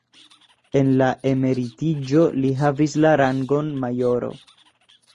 En la emeritiĝo li havis la rangon majoro.